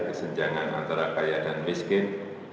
kesenjangan antara kaya dan miskin